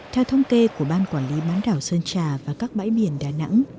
theo thông kê của ban quản lý bán đảo sơn trà và các bãi biển đà nẵng